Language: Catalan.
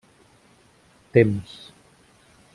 Temps: